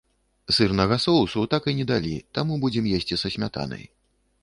Сырнага соусу так і не далі, таму будзем есці са смятанай.